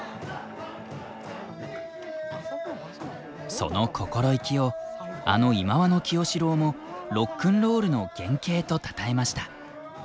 その心意気をあの忌野清志郎も「ロックンロールの原型」とたたえました。